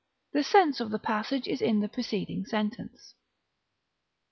The sense of the passage is in the preceding sentence.